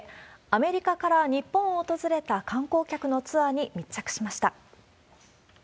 アメリカから日本を訪れた観光客のツアーに密着しました。